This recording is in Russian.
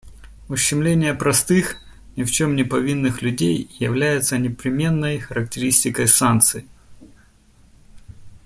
Ущемление простых, ни в чем не повинных людей является непременной характеристикой санкций.